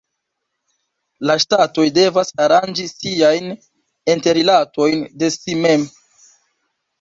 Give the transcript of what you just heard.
La ŝtatoj devas aranĝi siajn interrilatojn de si mem.